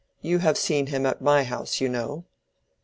You have seen him at my house, you know."